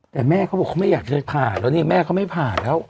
แต่แม่เขาบอกเขาไม่อยากจะผ่านแล้วนี่แม่เขาไม่ผ่านแล้ว